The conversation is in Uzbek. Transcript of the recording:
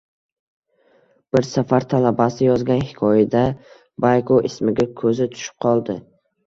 Bir safar talabasi yozgan hikoyada Bayko ismiga ko`zi tushib qoldi